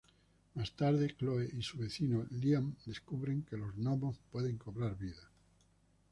Más tarde, Chloe y su vecino Liam descubren que los gnomos pueden cobrar vida.